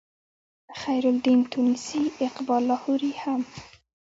خیرالدین تونسي اقبال لاهوري هم